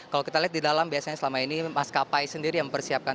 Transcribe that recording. kalau kita lihat di dalam biasanya selama ini maskapai sendiri yang mempersiapkan